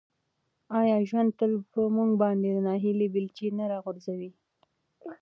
آیا ژوند تل په موږ باندې د ناهیلۍ بیلچې نه راغورځوي؟